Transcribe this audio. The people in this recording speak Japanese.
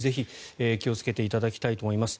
ぜひ気をつけていただきたいと思います。